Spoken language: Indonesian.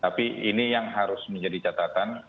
tapi ini yang harus menjadi catatan